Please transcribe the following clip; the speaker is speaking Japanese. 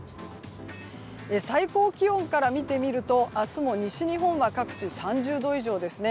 最高気温から見てみると明日も西日本で各地３０度以上です。